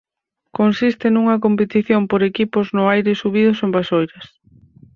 Consiste nunha competición por equipos no aire subidos en vasoiras.